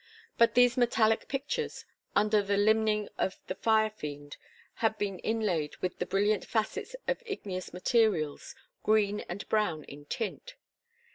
But these metallic pictures, under the limning of the fire fiend had been inlaid with the brilliant facets of igneous minerals, green and brown in tint.